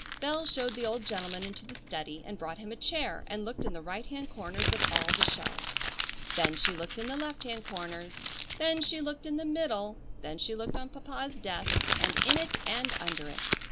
Bell showed the old gentleman into the study and brought him a chair, and looked in the right hand corners of all the shelves; then she looked in the left hand corners; then she looked in the middle; then she looked on Papa's desk, and in it and under it.